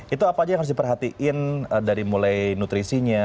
itu apa aja yang harus diperhatiin dari mulai nutrisinya